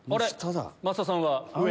増田さんは上？